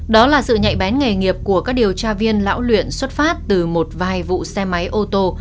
đó là sự nhạy bén nghề nghiệp của các điều tra viên lão luyện xuất phát từ một vài vụ xe máy ô tô